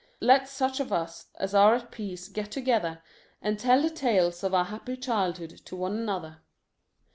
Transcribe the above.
Let such of us as are at peace get together, and tell the tales of our happy childhood to one another.